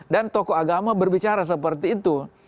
dan tokoh agama berbicara seperti itu